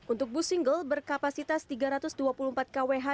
untuk bus single berkapasitas tiga ratus dua puluh empat kwh